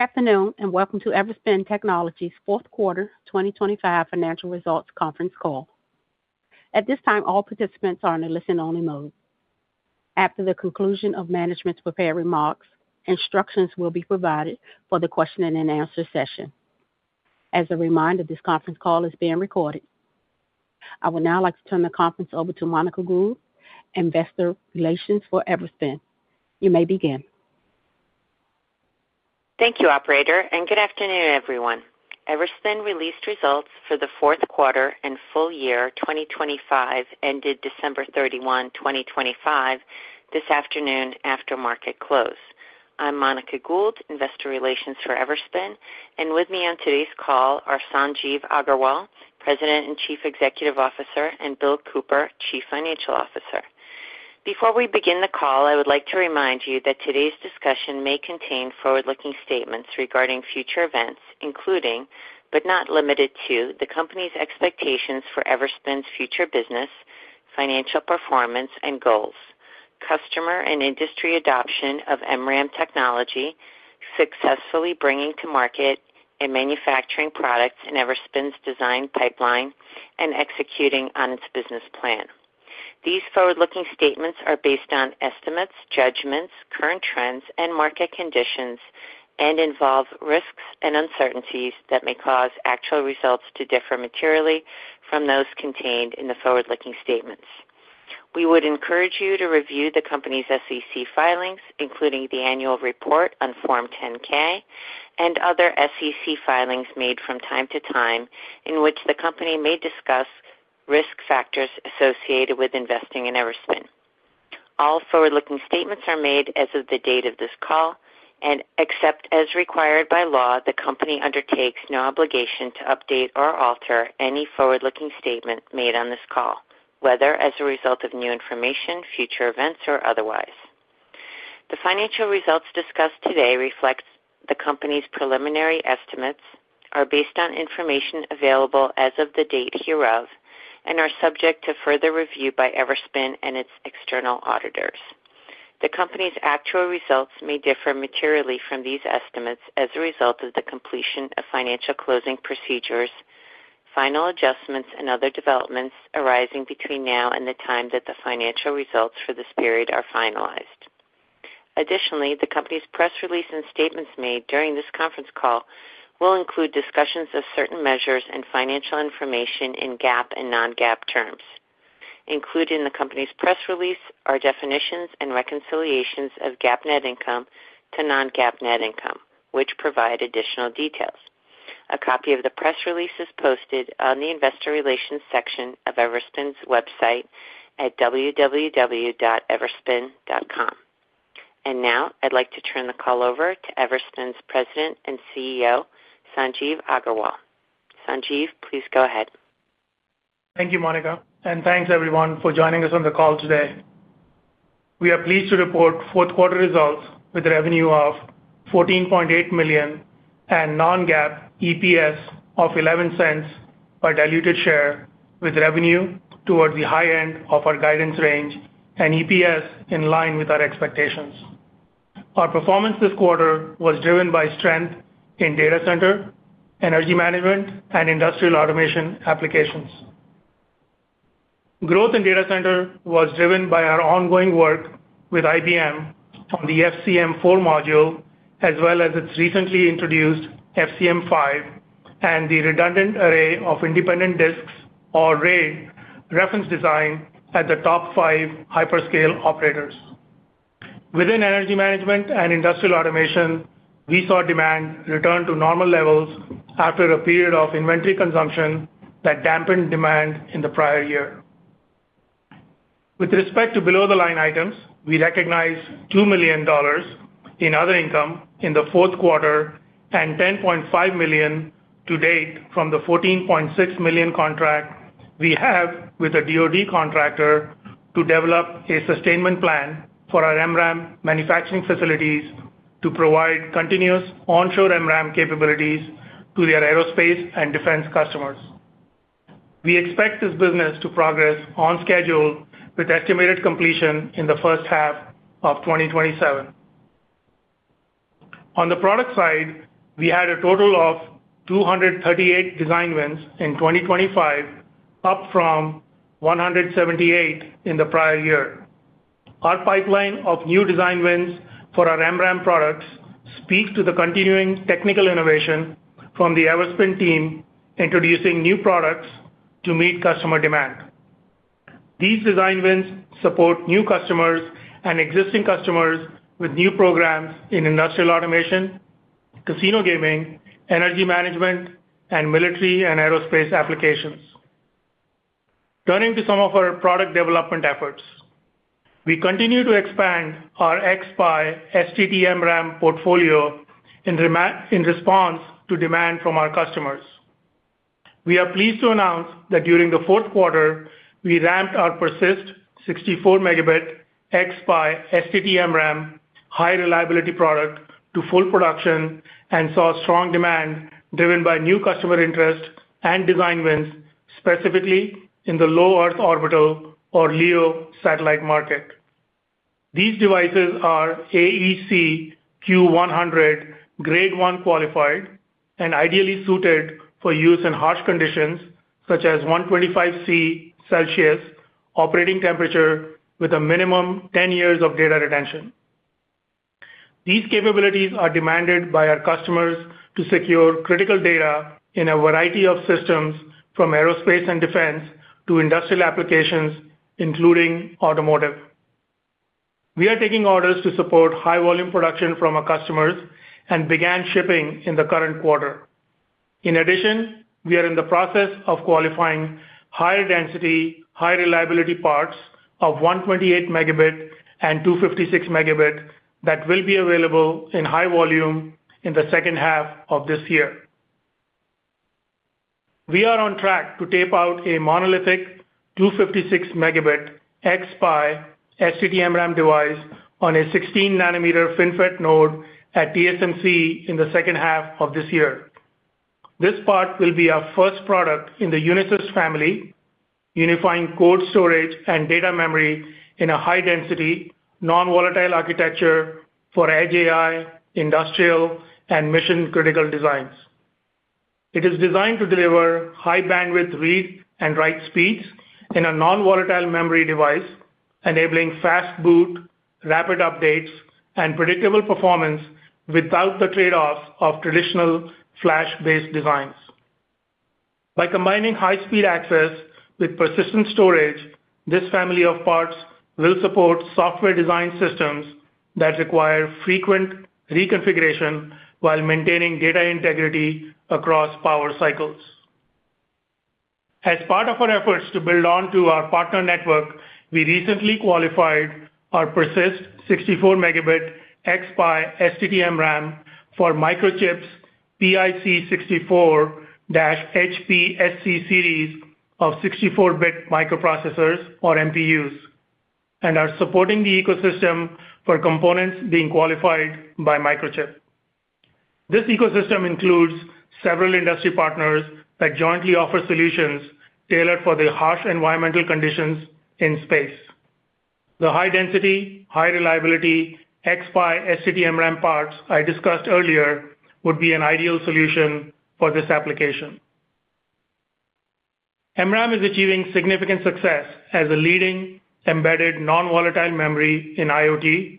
Good afternoon, welcome to Everspin Technologies' Fourth Quarter 2025 Financial Results Conference Call. At this time, all participants are in a listen-only mode. After the conclusion of management's prepared remarks, instructions will be provided for the question and answer session. As a reminder, this conference call is being recorded. I would now like to turn the conference over to Monica Gould, Investor Relations for Everspin. You may begin. Thank you, operator. Good afternoon, everyone. Everspin released results for the fourth quarter and full year 2025 ended December 31, 2025 this afternoon after market close. I'm Monica Gould, Investor Relations for Everspin. With me on today's call are Sanjeev Aggarwal, President and Chief Executive Officer, and Bill Cooper, Chief Financial Officer. Before we begin the call, I would like to remind you that today's discussion may contain forward-looking statements regarding future events, including, but not limited to, the company's expectations for Everspin's future business, financial performance and goals, customer and industry adoption of MRAM technology, successfully bringing to market and manufacturing products in Everspin's design pipeline, and executing on its business plan. These forward-looking statements are based on estimates, judgments, current trends, and market conditions and involve risks and uncertainties that may cause actual results to differ materially from those contained in the forward-looking statements. We would encourage you to review the company's SEC filings, including the annual report on Form 10-K and other SEC filings made from time to time, in which the company may discuss risk factors associated with investing in Everspin. All forward-looking statements are made as of the date of this call, and except as required by law, the company undertakes no obligation to update or alter any forward-looking statement made on this call, whether as a result of new information, future events, or otherwise. The financial results discussed today reflects the company's preliminary estimates, are based on information available as of the date hereof, and are subject to further review by Everspin and its external auditors. The company's actual results may differ materially from these estimates as a result of the completion of financial closing procedures, final adjustments, and other developments arising between now and the time that the financial results for this period are finalized. The company's press release and statements made during this conference call will include discussions of certain measures and financial information in GAAP and non-GAAP terms. Included in the company's press release are definitions and reconciliations of GAAP net income to non-GAAP net income, which provide additional details. A copy of the press release is posted on the investor relations section of Everspin's website at www.everspin.com. I'd like to turn the call over to Everspin's President and CEO, Sanjeev Aggarwal. Sanjeev, please go ahead. Thank you, Monica, and thanks everyone for joining us on the call today. We are pleased to report fourth quarter results with revenue of $14.8 million and non-GAAP EPS of $0.11 per diluted share, with revenue towards the high end of our guidance range and EPS in line with our expectations. Our performance this quarter was driven by strength in data center, energy management, and industrial automation applications. Growth in data center was driven by our ongoing work with IBM on the FCM4 module, as well as its recently introduced FCM5 and the redundant array of independent disks or RAID reference design at the top five hyperscale operators. Within energy management and industrial automation, we saw demand return to normal levels after a period of inventory consumption that dampened demand in the prior year. With respect to below-the-line items, we recognized $2 million in other income in the fourth quarter and $10.5 million to date from the $14.6 million contract we have with a DoD contractor to develop a sustainment plan for our MRAM manufacturing facilities to provide continuous onshore MRAM capabilities to their aerospace and defense customers. We expect this business to progress on schedule with estimated completion in the first half of 2027. On the product side, we had a total of 238 design wins in 2025, up from 178 in the prior year. Our pipeline of new design wins for our MRAM products speaks to the continuing technical innovation from the Everspin team, introducing new products to meet customer demand. These design wins support new customers and existing customers with new programs in industrial automation, casino gaming, energy management, and military and aerospace applications. Turning to some of our product development efforts. We continue to expand our xSPI STT-MRAM portfolio in response to demand from our customers. We are pleased to announce that during the fourth quarter, we ramped our PERSYST 64 Mb xSPI STT-MRAM High-Reliability product to full production and saw strong demand driven by new customer interest and design wins, specifically in the low Earth orbital or LEO satellite market. These devices are AEC-Q100 grade 1 qualified and ideally suited for use in harsh conditions such as 125 C Celsius operating temperature with a minimum 10 years of data retention. These capabilities are demanded by our customers to secure critical data in a variety of systems, from aerospace and defense to industrial applications, including automotive. We are taking orders to support high volume production from our customers and began shipping in the current quarter. In addition, we are in the process of qualifying higher density, High-Reliability parts of 128 Mb and 256 Mb that will be available in high volume in the second half of this year. We are on track to tape out a monolithic 256 Mb xSPI STT-MRAM device on a 16-nanometer FinFET node at TSMC in the second half of this year. This part will be our first product in the Unified Memory family, unifying code storage and data memory in a high-density non-volatile architecture for edge AI, industrial, and mission-critical designs. It is designed to deliver high bandwidth read and write speeds in a non-volatile memory device, enabling fast boot, rapid updates and predictable performance without the trade-offs of traditional flash-based designs. By combining high-speed access with persistent storage, this family of parts will support software design systems that require frequent reconfiguration while maintaining data integrity across power cycles. As part of our efforts to build on to our partner network, we recently qualified our PERSYST 64 Mb xSPI STT-MRAM for Microchip's PIC64-HPSC series of 64-bit microprocessors or MPUs, and are supporting the ecosystem for components being qualified by Microchip. This ecosystem includes several industry partners that jointly offer solutions tailored for the harsh environmental conditions in space. The high density, High-Reliability xSPI STT-MRAM parts I discussed earlier would be an ideal solution for this application. MRAM is achieving significant success as a leading embedded non-volatile memory in IoT,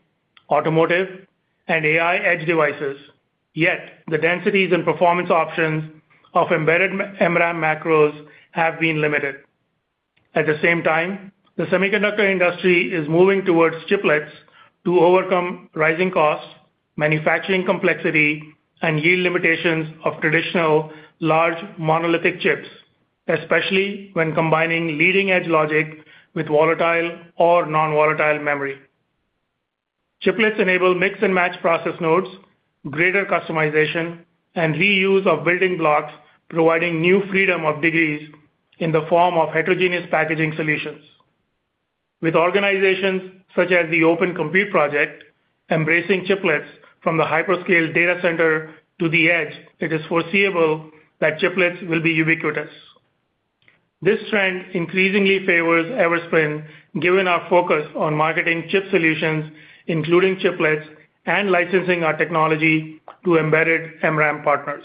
automotive, and AI edge devices. The densities and performance options of embedded MRAM macros have been limited. At the same time, the semiconductor industry is moving towards chiplets to overcome rising costs, manufacturing complexity, and yield limitations of traditional large monolithic chips, especially when combining leading-edge logic with volatile or non-volatile memory. Chiplets enable mix-and-match process nodes, greater customization, and reuse of building blocks, providing new freedom of degrees in the form of heterogeneous packaging solutions. With organizations such as the Open Compute Project embracing chiplets from the hyperscale data center to the edge, it is foreseeable that chiplets will be ubiquitous. This trend increasingly favors Everspin, given our focus on marketing chip solutions, including chiplets and licensing our technology to embedded MRAM partners.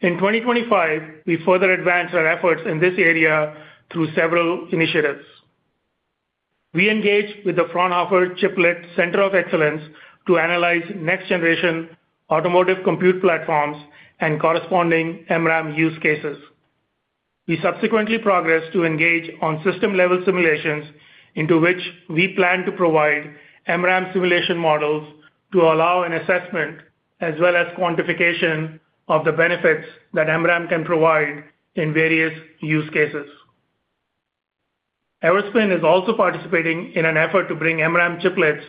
In 2025, we further advanced our efforts in this area through several initiatives. We engaged with the Fraunhofer Chiplet Center of Excellence to analyze next-generation automotive compute platforms and corresponding MRAM use cases. We subsequently progressed to engage on system-level simulations into which we plan to provide MRAM simulation models to allow an assessment as well as quantification of the benefits that MRAM can provide in various use cases. Everspin is also participating in an effort to bring MRAM chiplets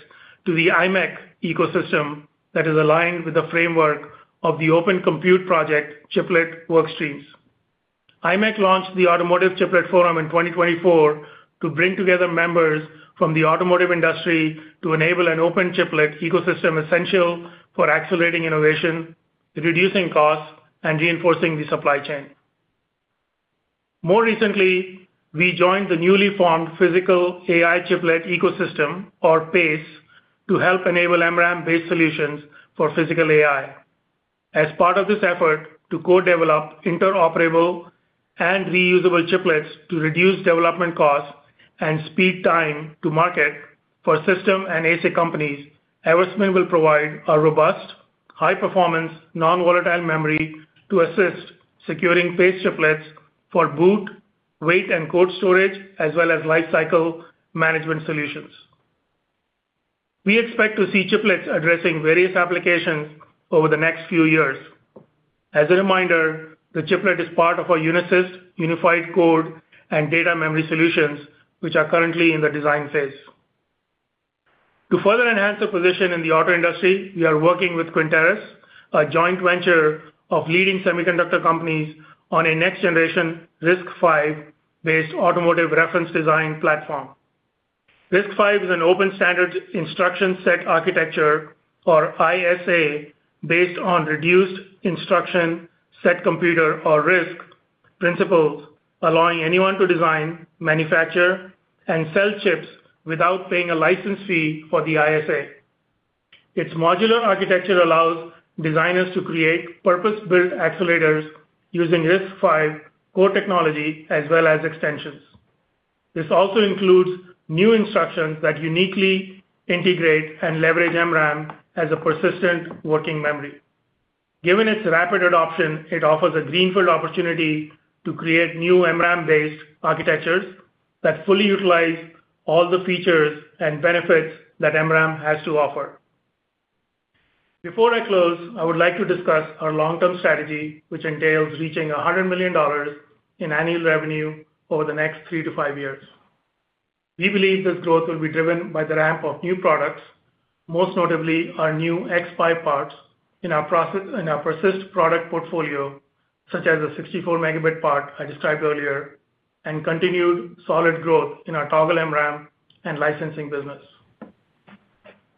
to the imec ecosystem that is aligned with the framework of the Open Compute Project chiplet work streams. imec launched the Automotive Chiplet Forum in 2024 to bring together members from the automotive industry to enable an open chiplet ecosystem essential for accelerating innovation, reducing costs, and reinforcing the supply chain. More recently, we joined the newly formed Physical AI Chiplet Ecosystem, or PACE, to help enable MRAM-based solutions for physical AI. As part of this effort to co-develop interoperable and reusable chiplets to reduce development costs and speed time to market for system and ASIC companies, Everspin will provide a robust, high-performance non-volatile memory to assist securing PACE chiplets for boot, weight, and code storage, as well as lifecycle management solutions. We expect to see chiplets addressing various applications over the next few years. As a reminder, the chiplet is part of our Unisys Unified Code and Data Memory solutions, which are currently in the design phase. To further enhance the position in the auto industry, we are working with Quintauris, a joint venture of leading semiconductor companies on a next generation RISC-V based automotive reference design platform. RISC-V is an open standard instruction set architecture, or ISA, based on reduced instruction set computer, or RISC principles allowing anyone to design, manufacture, and sell chips without paying a license fee for the ISA. Its modular architecture allows designers to create purpose-built accelerators using RISC-V core technology as well as extensions. This also includes new instructions that uniquely integrate and leverage MRAM as a persistent working memory. Given its rapid adoption, it offers a greenfield opportunity to create new MRAM-based architectures that fully utilize all the features and benefits that MRAM has to offer. I would like to discuss our long-term strategy, which entails reaching $100 million in annual revenue over the next 3 to 5 years. We believe this growth will be driven by the ramp of new products, most notably our new xSPI parts in our PERSYST product portfolio, such as the 64 Mb part I described earlier, and continued solid growth in our Toggle MRAM and licensing business.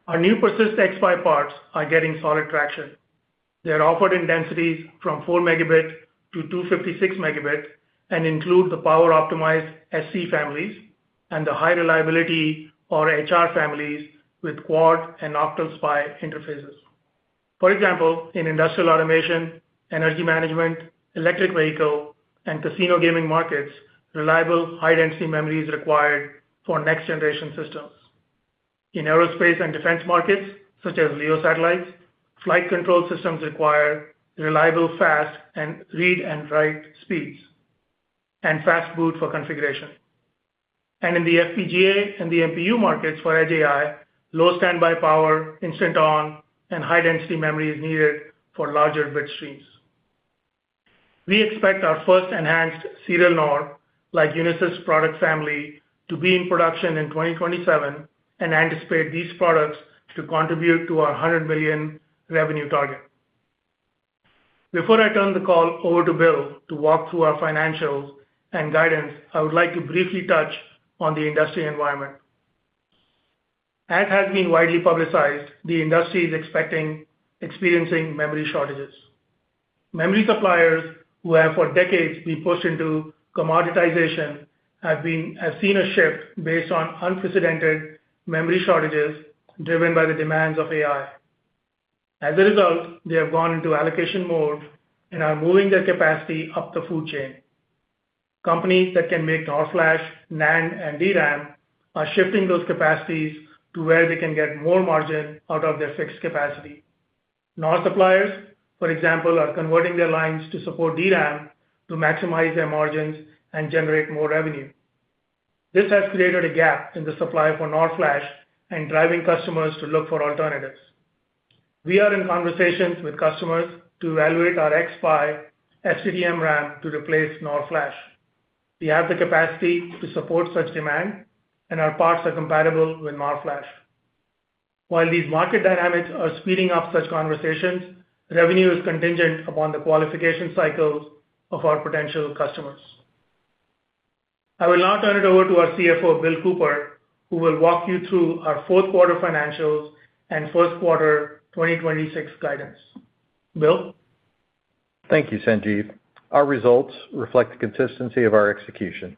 Our new PERSYST xSPI parts are getting solid traction. They are offered in densities from 4 Mb to 256 Mb and include the power-optimized SC families and the High-Reliability or HR families with quad and octal SPI interfaces. For example, in industrial automation, energy management, electric vehicle, and casino gaming markets, reliable high-density memory is required for next-generation systems. In aerospace and defense markets, such as LEO satellites, flight control systems require reliable fast and read and write speeds and fast boot for configuration. In the FPGA and the MPU markets for Edge AI, low standby power, instant-on, and high-density memory is needed for larger bit streams. We expect our first enhanced serial NOR-like xSPI product family, to be in production in 2027 and anticipate these products to contribute to our $100 million revenue target. Before I turn the call over to Bill to walk through our financials and guidance, I would like to briefly touch on the industry environment. As has been widely publicized, the industry is experiencing memory shortages. Memory suppliers, who have for decades been pushed into commoditization, have seen a shift based on unprecedented memory shortages driven by the demands of AI. As a result, they have gone into allocation mode and are moving their capacity up the food chain. Companies that can make NOR Flash, NAND, and DRAM are shifting those capacities to where they can get more margin out of their fixed capacity. NOR suppliers, for example, are converting their lines to support DRAM to maximize their margins and generate more revenue. This has created a gap in the supply for NOR Flash and driving customers to look for alternatives. We are in conversations with customers to evaluate our xSPI STT-MRAM to replace NOR Flash. We have the capacity to support such demand, and our parts are compatible with NOR Flash. While these market dynamics are speeding up such conversations, revenue is contingent upon the qualification cycles of our potential customers. I will now turn it over to our CFO, Bill Cooper, who will walk you through our fourth quarter financials and first quarter 2026 guidance. Bill? Thank you, Sanjeev. Our results reflect the consistency of our execution.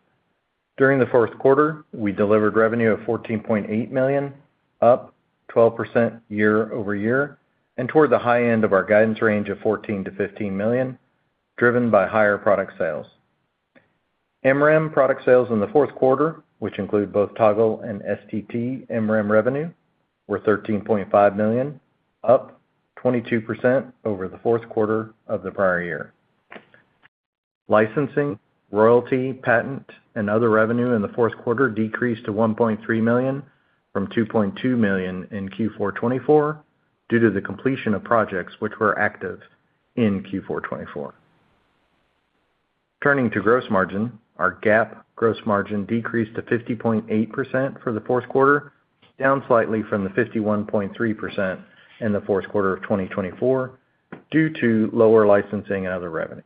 During the fourth quarter, we delivered revenue of $14.8 million, up 12% year-over-year, and toward the high end of our guidance range of $14 million-$15 million, driven by higher product sales. MRAM product sales in the fourth quarter, which include both Toggle and STT-MRAM revenue, were $13.5 million, up 22% over the fourth quarter of the prior year. Licensing, royalty, patent, and other revenue in the fourth quarter decreased to $1.3 million from $2.2 million in Q4 2024 due to the completion of projects which were active in Q4 2024. Turning to gross margin, our GAAP gross margin decreased to 50.8% for the fourth quarter, down slightly from the 51.3% in the fourth quarter of 2024 due to lower licensing and other revenue.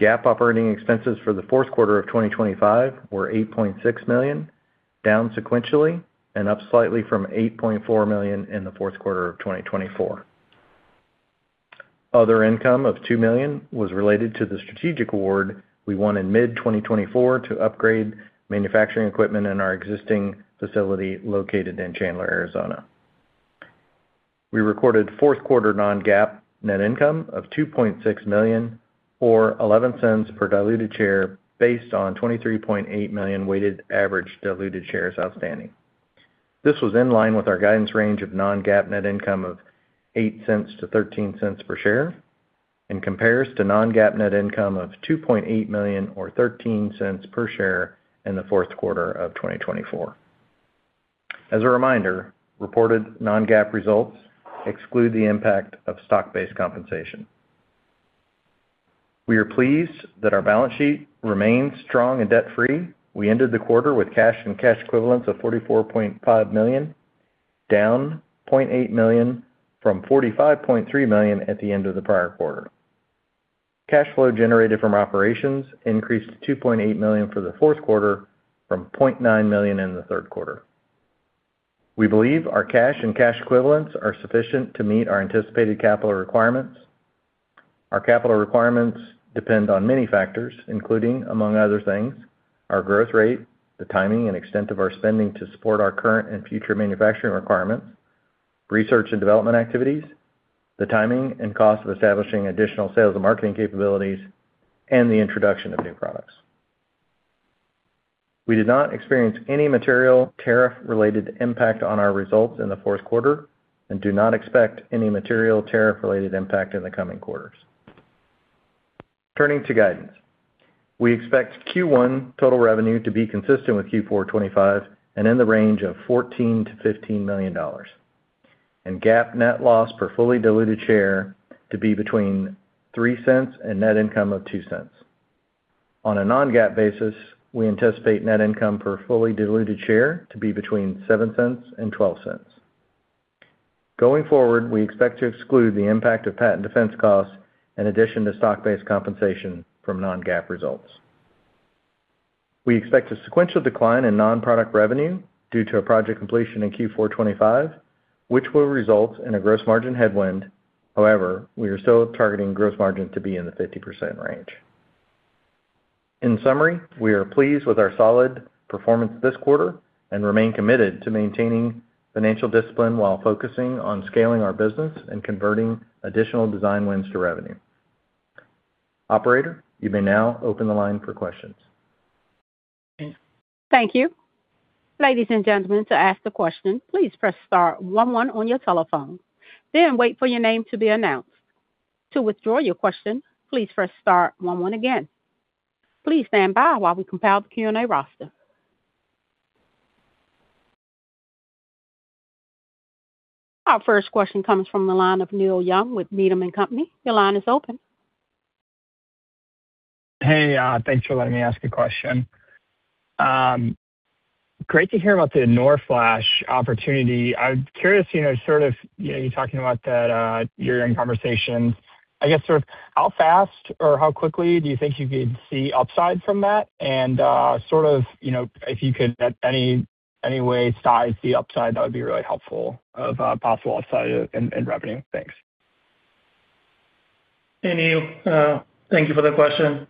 GAAP operating expenses for the fourth quarter of 2025 were $8.6 million, down sequentially and up slightly from $8.4 million in the fourth quarter of 2024. Other income of $2 million was related to the strategic award we won in mid-2024 to upgrade manufacturing equipment in our existing facility located in Chandler, Arizona. We recorded fourth-quarter non-GAAP net income of $2.6 million, or $0.11 per diluted share based on 23.8 million weighted average diluted shares outstanding. This was in line with our guidance range of non-GAAP net income of $0.08-$0.13 per share and compares to non-GAAP net income of $2.8 million or $0.13 per share in the fourth quarter of 2024. As a reminder, reported non-GAAP results exclude the impact of stock-based compensation. We are pleased that our balance sheet remains strong and debt-free. We ended the quarter with cash and cash equivalents of $44.5 million, down $0.8 million from $45.3 million at the end of the prior quarter. Cash flow generated from operations increased to $2.8 million for the fourth quarter from $0.9 million in the third quarter. We believe our cash and cash equivalents are sufficient to meet our anticipated capital requirements. Our capital requirements depend on many factors, including among other things, our growth rate, the timing and extent of our spending to support our current and future manufacturing requirements, research and development activities, the timing and cost of establishing additional sales and marketing capabilities, and the introduction of new products. We did not experience any material tariff-related impact on our results in the fourth quarter and do not expect any material tariff-related impact in the coming quarters. Turning to guidance. We expect Q1 total revenue to be consistent with Q4 2025 and in the range of $14 million-$15 million, and GAAP net loss per fully diluted share to be between $0.03 and net income of $0.02. On a non-GAAP basis, we anticipate net income per fully diluted share to be between $0.07 and $0.12. Going forward, we expect to exclude the impact of patent defense costs in addition to stock-based compensation from non-GAAP results. We expect a sequential decline in non-product revenue due to a project completion in Q4 2025, which will result in a gross margin headwind. However, we are still targeting gross margin to be in the 50% range. In summary, we are pleased with our solid performance this quarter and remain committed to maintaining financial discipline while focusing on scaling our business and converting additional design wins to revenue. Operator, you may now open the line for questions. Thank you. Ladies and gentlemen, to ask the question, please press star one one on your telephone, wait for your name to be announced. To withdraw your question, please press star one one again. Please stand by while we compile the Q&A roster. Our first question comes from the line of Neil Young with Needham & Company. Your line is open. Hey, thanks for letting me ask a question. Great to hear about the NOR Flash opportunity. I'm curious, you know, sort of, you know, you're talking about that, you're in conversations. I guess sort of how fast or how quickly do you think you could see upside from that? Sort of, you know, if you could at any way size the upside, that would be really helpful of possible upside in revenue. Thanks. Hey, Neil, thank you for the question.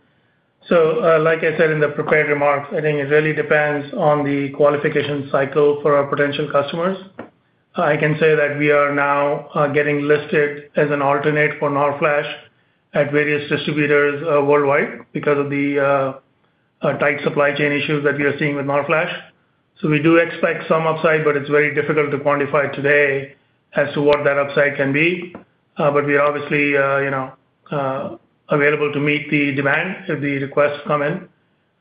Like I said in the prepared remarks, I think it really depends on the qualification cycle for our potential customers. I can say that we are now getting listed as an alternate for NOR Flash at various distributors worldwide because of the tight supply chain issues that we are seeing with NOR Flash. We do expect some upside, but it's very difficult to quantify today as to what that upside can be. We obviously, you know, available to meet the demand if the requests come in,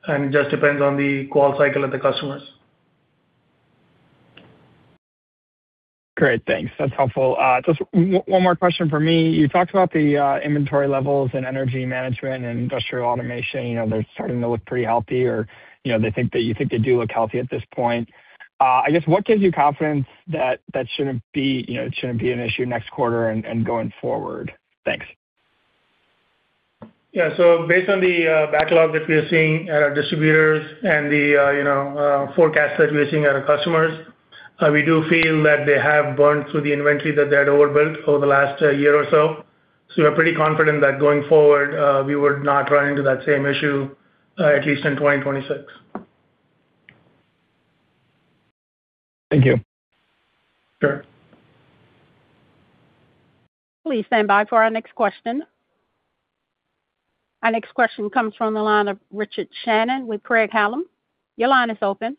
and it just depends on the call cycle of the customers. Great. Thanks. That's helpful. Just one more question for me. You talked about the inventory levels and energy management and industrial automation. You know, they're starting to look pretty healthy or, you know, you think they do look healthy at this point. I guess what gives you confidence that that shouldn't be, you know, it shouldn't be an issue next quarter and going forward? Thanks. Based on the backlog that we're seeing at our distributors and the, you know, forecast that we're seeing at our customers, we do feel that they have burned through the inventory that they had overbuilt over the last year or so. We're pretty confident that going forward, we would not run into that same issue, at least in 2026. Thank you. Sure. Please stand by for our next question. Our next question comes from the line of Richard Shannon with Craig-Hallum. Your line is open.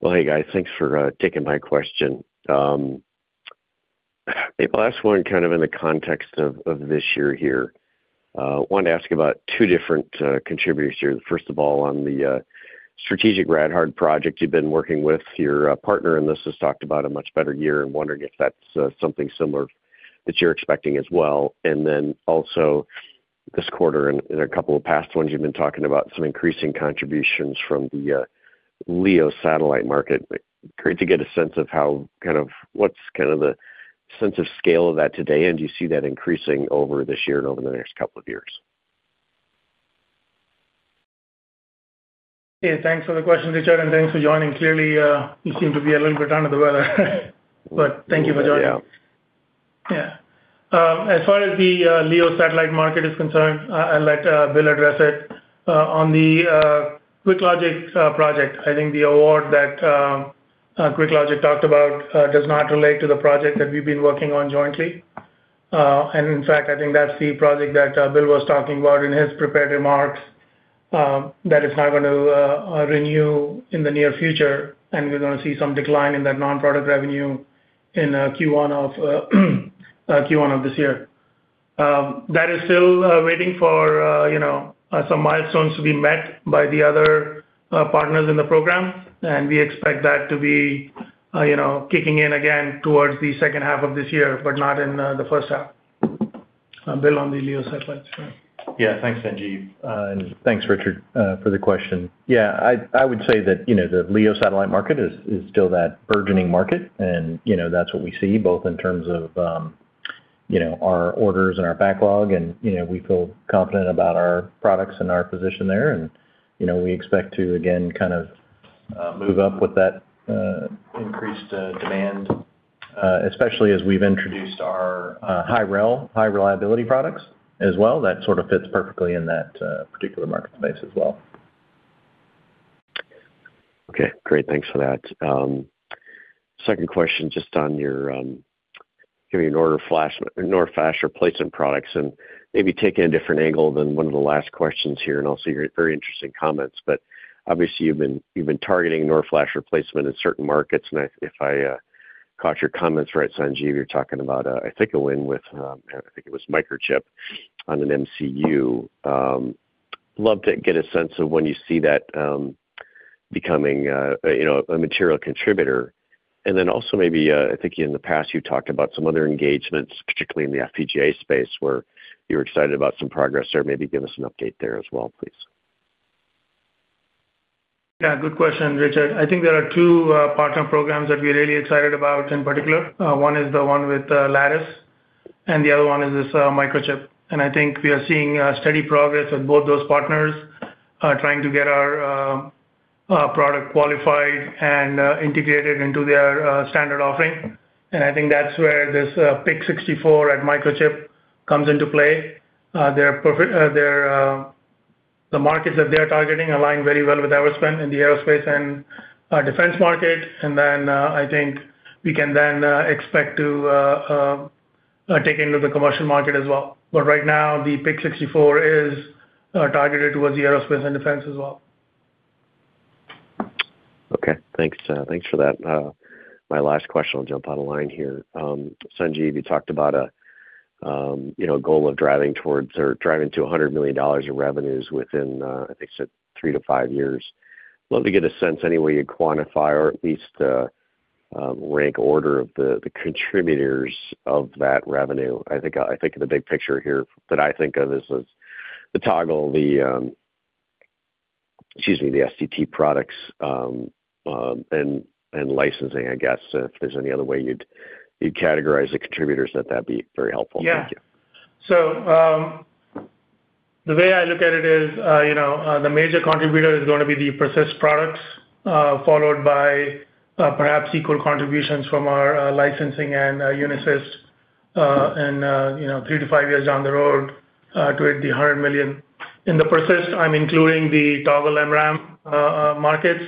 Well, hey, guys, thanks for taking my question. Maybe I'll ask one kind of in the context of this year. Wanted to ask about two different contributors. First of all, on the strategic Rad-Hard project, you've been working with your partner, this has talked about a much better year. I'm wondering if that's something similar that you're expecting as well. Then also this quarter and in a couple of past ones, you've been talking about some increasing contributions from the LEO satellite market. Great to get a sense of how what's the sense of scale of that today, and do you see that increasing over this year and over the next couple of years? Yeah. Thanks for the question, Richard, and thanks for joining. Clearly, you seem to be a little bit under the weather, but thank you for joining. Yeah. Yeah. As far as the LEO satellite market is concerned, I'll let Bill address it. On the QuickLogic project, I think the award that QuickLogic talked about does not relate to the project that we've been working on jointly. In fact, I think that's the project that Bill was talking about in his prepared remarks, that is not going to renew in the near future, and we're gonna see some decline in that non-product revenue in Q1 of this year. That is still waiting for, you know, some milestones to be met by the other partners in the program, and we expect that to be, you know, kicking in again towards the second half of this year, but not in the first half. Bill, on the LEO satellites. Yeah, thanks, Sanjeev. Thanks, Richard, for the question. I would say that, you know, the LEO satellite market is still that burgeoning market, and, you know, that's what we see both in terms of you know, our orders and our backlog, and, you know, we feel confident about our products and our position there, and, you know, we expect to again, kind of, move up with that increased demand, especially as we've introduced our High Rel, High-Reliability products as well. That sort of fits perfectly in that particular market space as well. Okay, great. Thanks for that. Second question, just on your giving an order NOR Flash replacement products. Maybe taking a different angle than one of the last questions here. Also your very interesting comments. Obviously you've been targeting NOR Flash replacement in certain markets. If I caught your comments right, Sanjeev, you're talking about I think a win with I think it was Microchip on an MCU. Love to get a sense of when you see that becoming, you know, a material contributor. Also maybe, I think in the past you talked about some other engagements, particularly in the FPGA space, where you're excited about some progress there. Maybe give us an update there as well, please. Yeah, good question, Richard. I think there are two partner programs that we're really excited about in particular. One is the one with Lattice, and the other one is with Microchip. I think we are seeing steady progress with both those partners, trying to get our product qualified and integrated into their standard offering. I think that's where this PIC64 at Microchip comes into play. Their the markets that they are targeting align very well with our strength in the aerospace and defense market. Then, I think we can then expect to take into the commercial market as well. Right now, the PIC64 is targeted towards the aerospace and defense as well. Okay. Thanks, thanks for that. My last question, I'll jump on the line here. Sanjeev, you talked about a, you know, goal of driving towards or driving to $100 million of revenues within, I think you said three to five years. Let me get a sense, any way you'd quantify or at least, rank order of the contributors of that revenue. I think, I think of the big picture here that I think of is the Toggle, the, excuse me, the STT products, and licensing, I guess, if there's any other way you'd categorize the contributors, that'd very helpful. Thank you. Yeah. The way I look at it is, you know, the major contributor is going to be the PERSYST products, followed by perhaps equal contributions from our licensing and Unisys, you know, three to five years down the road to hit the $100 million. In the PERSYST, I'm including the Toggle MRAM markets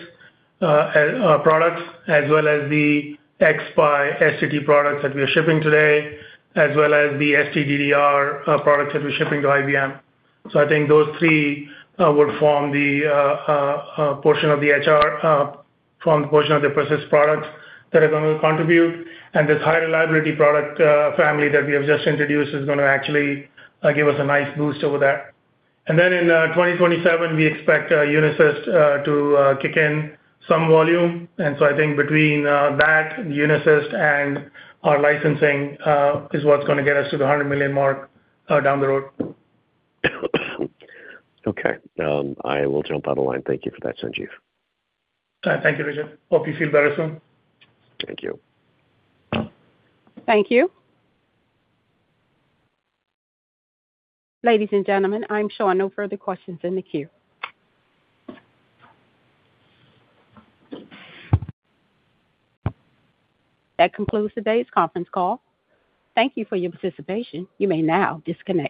products as well as the xSPI STT products that we are shipping today as well as the ST-DDR products that we're shipping to IBM. I think those three would form the portion of the HR, form the portion of the PERSYST products that are going to contribute. This High-Reliability product family that we have just introduced is going to actually give us a nice boost over there. In 2027, we expect Unisys to kick in some volume. I think between that Unisys and our licensing, is what's gonna get us to the $100 million mark, down the road. Okay. I will jump out of the line. Thank you for that, Sanjeev. All right. Thank you, Richard. Hope you feel better soon. Thank you. Thank you. Ladies and gentlemen, I'm showing no further questions in the queue. That concludes today's conference call. Thank you for your participation. You may now disconnect.